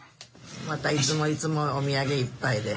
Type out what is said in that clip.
またいつもいつもお土産いっぱいで。